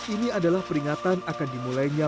ini adalah peringatan akan dimulainya